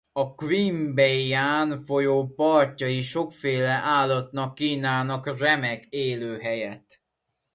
A Queanbeyan-folyó partjai sokféle állatnak kínálnak remek élőhelyet.